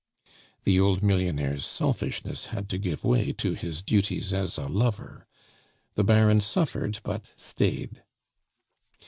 The old millionaire's selfishness had to give way to his duties as a lover. The Baron suffered but stayed.